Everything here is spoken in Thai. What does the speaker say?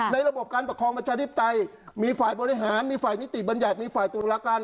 ในระบบการประคองประชาฤตัยมีฝ่ายบริหารมีฝ่ายมิติบรรยาชมีฝ่ายตุลาการ